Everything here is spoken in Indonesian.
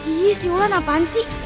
ih si wulan apaan sih